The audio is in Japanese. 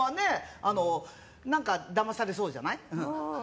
何かだまされそうじゃない。